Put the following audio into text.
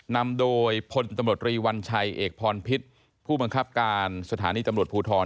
นำโดยพลตำรวจรีวัญชัยเอกพรพิษผู้บังคับการสถานีตำรวจภูทร